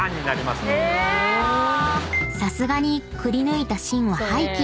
［さすがにくりぬいた芯は廃棄。